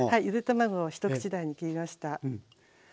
ゆで卵を一口大に切りました。